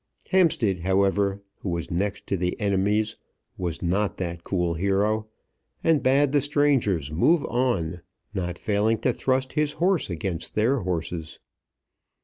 Hampstead, however, who was next to the enemies, was not that cool hero, and bade the strangers move on, not failing to thrust his horse against their horses.